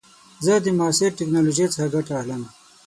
زه د معاصر ټکنالوژۍ څخه ګټه اخلم.